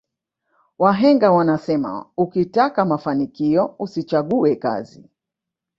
wahenga wanasema ukitaka mafanikio usichague kazi